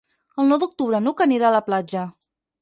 El nou d'octubre n'Hug anirà a la platja.